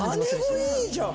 姉御いいじゃん。